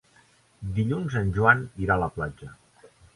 Dilluns en Joan irà a la platja.